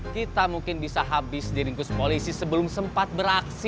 kita mungkin bisa habis diringkus polisi sebelum sempat beraksi